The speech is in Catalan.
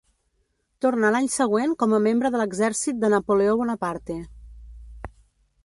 Tornà l'any següent com a membre de l'exèrcit de Napoleó Bonaparte.